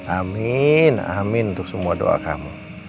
amin amin untuk semua doa kamu